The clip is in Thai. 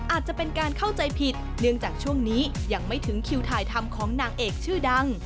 อาจจะเป็นการเข้าใจผิดเนื่องจากช่วงนี้ยังไม่ถึงคิวถ่ายทำของนางเอกชื่อดัง